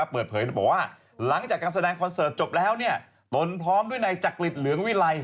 เปิดเผยบอกว่าหลังจากการแสดงคอนเสิร์ตจบแล้วตนพร้อมด้วยนายจักริตเหลืองวิลัย